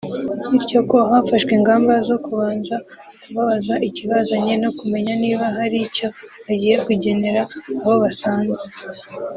bityo ko hafashwe ingamba zo kubanza kubabaza ikibazanye no kumenya niba hari icyo bagiye kugenera abo basanze